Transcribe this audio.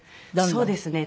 そうですね。